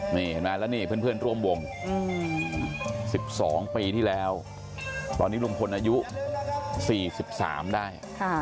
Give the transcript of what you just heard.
นี่เห็นไหมแล้วนี่เพื่อนร่วมวง๑๒ปีที่แล้วตอนนี้ลุงพลอายุ๔๓ได้